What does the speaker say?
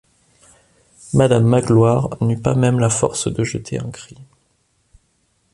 Madame Magloire n’eut pas même la force de jeter un cri.